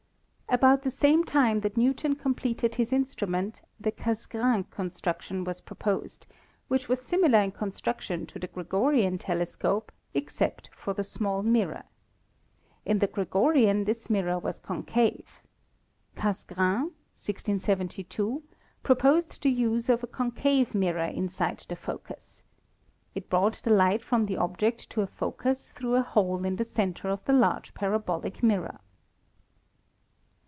About the same time that Newton completed his instru ment the Cassegrain construction was proposed, which was similar in construction to the Gregorian telescope, except for the small mirror. In the Gregorian this mirror was concave. Cassegrain (1672) proposed the use of a con cave mirror inside the focus. It brought the light from the object to a focus through a hole in the center of the large parabolic mirror.